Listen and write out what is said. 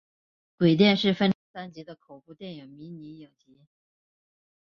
鬼店是分成三集的恐怖电视迷你影集。